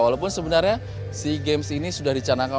walaupun sebenarnya sea games ini sudah dicanangkan